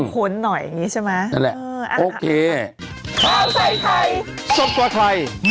เข้าเลยล่ะ